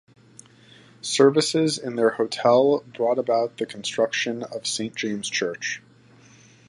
Services in their hotel brought about the construction of St James Church.